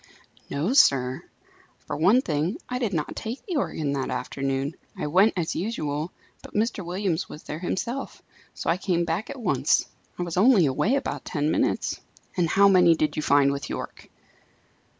"No, sir. For one thing, I did not take the organ that afternoon. I went, as usual, but Mr. Williams was there himself, so I came back at once. I was only away about ten minutes." "And how many did you find with Yorke?"